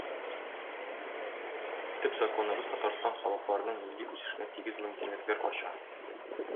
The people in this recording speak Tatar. Төп законыбыз Татарстан халыкларының милли үсешенә тигез мөмкинлекләр ача.